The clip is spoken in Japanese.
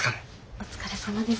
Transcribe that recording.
お疲れさまです。